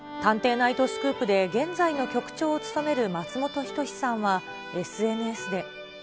ナイトスクープで現在の局長を務める松本人志さんは、ＳＮＳで。